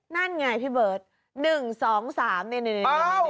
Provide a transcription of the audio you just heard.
นั่นไงพี่เบิร์ต๑๒๓นี่